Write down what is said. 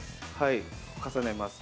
重ねます。